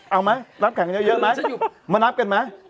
เอาไหมนับแข่งกันเยอะมั้ย